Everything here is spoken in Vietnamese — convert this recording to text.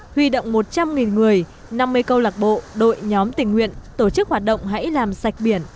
huy động một trăm linh người năm mươi câu lạc bộ đội nhóm tình nguyện tổ chức hoạt động hãy làm sạch biển